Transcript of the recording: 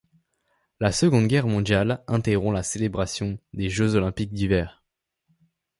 La Seconde Guerre mondiale interrompt la célébration des Jeux olympiques d'hiver.